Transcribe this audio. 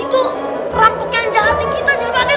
itu perang pekian jahatnya kita jin pakdeh